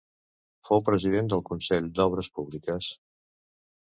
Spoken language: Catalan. Fou president del Consell d'Obres Públiques.